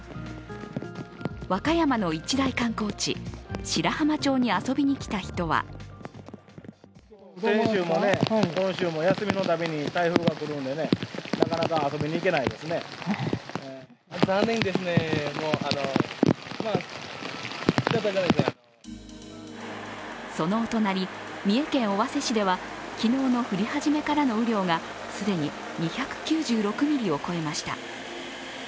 和歌山の一大観光地、白浜町に遊びに来た人はそのお隣、三重県尾鷲市では昨日の降り始めからの雨量が既に２９６ミリを超えました。